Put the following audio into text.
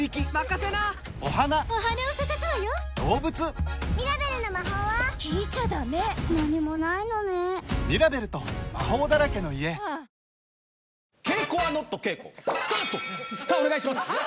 さぁお願いします！